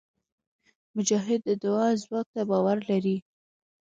مجاهد د دعا ځواک ته باور لري.